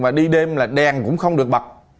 mà đi đêm là đèn cũng không được bật